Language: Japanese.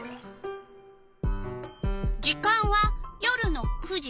時間は夜の９時。